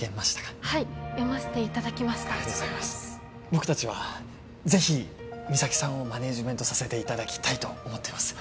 僕達はぜひ三咲さんをマネージメントさせていただきたいと思っています